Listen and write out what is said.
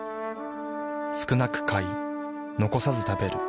少なく買い残さず食べる。